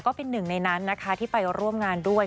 ก็เป็นหนึ่งในนั้นนะคะที่ไปร่วมงานด้วย